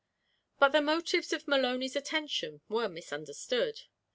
But the motives of Maloney's attention were misunderstood.